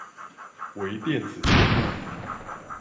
微電子電路